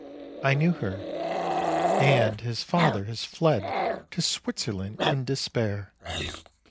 I knew her. And his father has fled to Switzerland in despair.